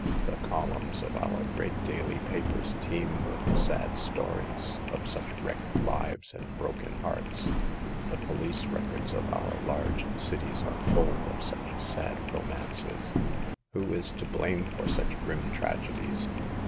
The columns of our great daily papers teem with the sad stories of such wrecked lives and broken hearts. The police records of our large cities are full of such sad romances. Who is to blame for such grim tragedies?